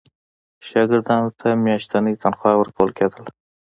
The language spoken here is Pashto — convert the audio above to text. شاګردانو ته میاشتنی تنخوا ورکول کېدله.